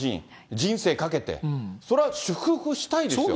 人生かけて、それは祝福そうですよ。